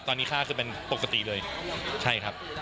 ตอนนี้ค่าคือเป็นปกติเลยใช่ครับ